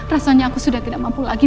rasanya aku sudah tidak mampu lagi